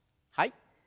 はい。